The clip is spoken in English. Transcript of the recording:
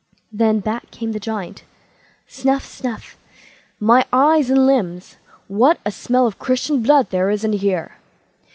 Then back came the Giant. Snuff snuff! "My eyes and limbs, what a smell of Christian blood there is in here!"